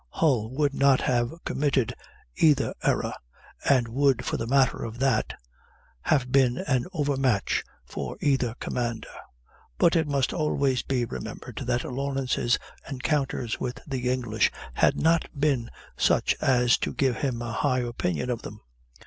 Hull would not have committed either error, and would, for the matter of that, have been an overmatch for either commander. But it must always be remembered that Lawrence's encounters with the English had not been such as to give him a high opinion of them.